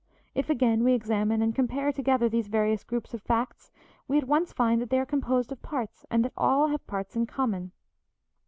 If, again, we examine and compare together these various groups of facts we at once find that they are composed of parts and that all have parts in common.